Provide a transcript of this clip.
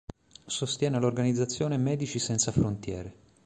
Sostiene l'organizzazione Medici Senza Frontiere.